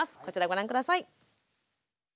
こちらご覧下さい。